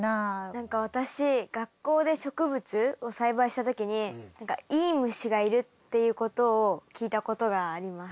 何か私学校で植物を栽培した時に何かいい虫がいるっていうことを聞いたことがあります。